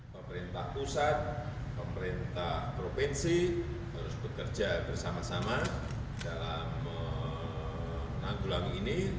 pemerintah pusat pemerintah provinsi harus bekerja bersama sama dalam menanggulangi ini